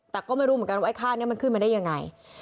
แต่ก็ไม่รู้เหมือนกันว่าไอ้ค่านี้มันขึ้นมาได้ยังไง